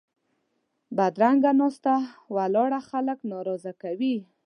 بدرنګه ناسته ولاړه خلک ناراضه کوي